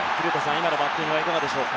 今のバッティングいかがですか？